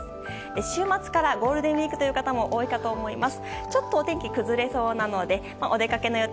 週末からゴールデンウィークという方も多いかと思います。